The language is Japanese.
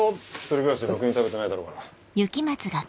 １人暮らしでろくに食べてないだろうから。